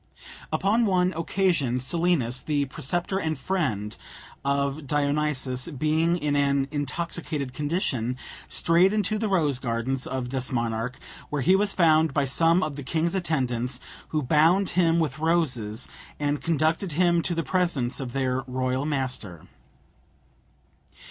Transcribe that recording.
Upon one occasion Silenus, the preceptor and friend of Dionysus, being in an intoxicated condition, strayed into the rose gardens of this monarch, where he was found by some of the king's attendants, who bound him with roses and conducted him to the presence of their royal master.